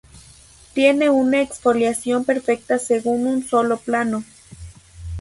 Tiene una exfoliación perfecta según un sólo plano.